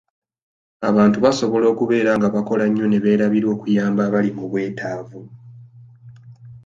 Abantu basobola okubeera nga bakola nnyo ne beerabira okuyamba abali mu bwetaavu.